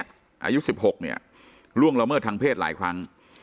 อายุ๑๖เนี่ยล่วงละเมิดทางเพศหลายครั้ง